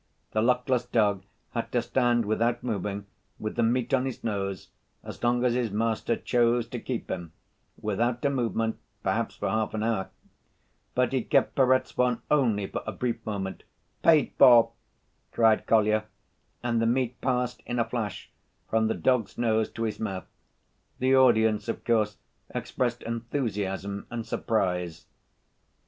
The luckless dog had to stand without moving, with the meat on his nose, as long as his master chose to keep him, without a movement, perhaps for half an hour. But he kept Perezvon only for a brief moment. "Paid for!" cried Kolya, and the meat passed in a flash from the dog's nose to his mouth. The audience, of course, expressed enthusiasm and surprise.